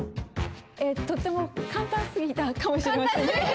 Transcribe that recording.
とっても簡単すぎたかもしれませんね。